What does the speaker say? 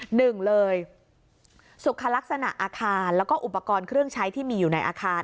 หนึ่งเลยสุขลักษณะอาคารแล้วก็อุปกรณ์เครื่องใช้ที่มีอยู่ในอาคาร